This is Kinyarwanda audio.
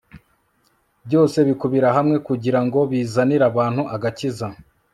byose bikubira hamwe kugira ngo bizanirabantu agakiza